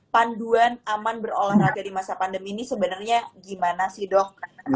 panduan aman berolahraga di masa pandemi ini sebenarnya gimana sih dok